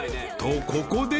［とここで］